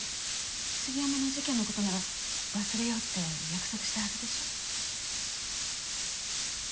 杉山の事件のことなら忘れようって約束したはずでしょう。